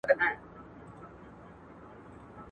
ګلڅانګه